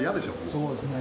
そうですね。